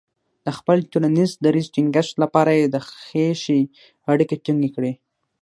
د خپل ټولنیز دریځ ټینګښت لپاره یې د خیښۍ اړیکې ټینګې کړې.